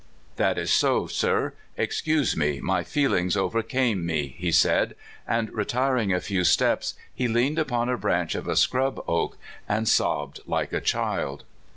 "That is so, sir; excuse me, my feelings over came me," he said, and retiring a few steps, he leaned upon a branch of a scrub oak and sobbed like a child.